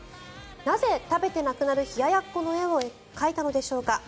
なぜ、食べてなくなる冷ややっこの絵を描いたのでしょうか。